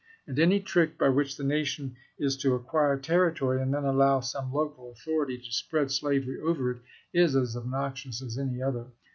And any trick by which the nation is to acquire territory, and then allow some local authority to spread slavery over it, is as obnoxious as any other.